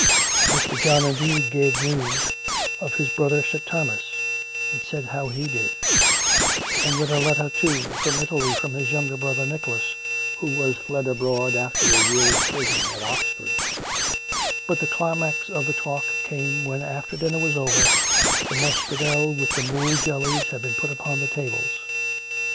Mr. John, indeed, gave news of his brother Sir Thomas, and said how he did; and read a letter, too, from Italy, from his younger brother Nicholas, who was fled abroad after a year's prison at Oxford; but the climax of the talk came when dinner was over, and the muscadel, with the mould j ellies, had been put upon the tables.